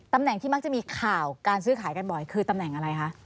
ตำแหน่งที่มักจะมีข่าวการซื้อขายกันบ่อยคือตำแหน่งอะไรคะ